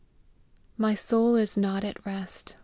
My soul is not at rest.